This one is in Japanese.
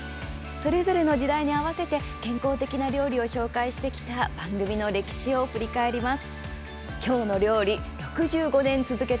それぞれの時代に合わせて健康的な料理を紹介してきた番組の歴史を振り返ります。